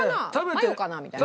マヨかな？みたいな。